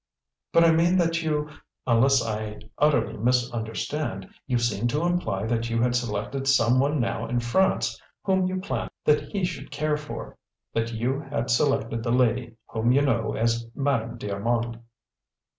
"But I mean that you unless I utterly misunderstand you seem to imply that you had selected some one now in France whom you planned that he should care for that you had selected the lady whom you know as Madame d'Armand."